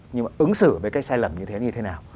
nhưng mà ứng xử với cái sai lầm như thế như thế nào